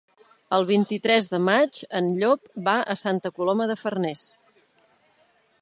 El vint-i-tres de maig en Llop va a Santa Coloma de Farners.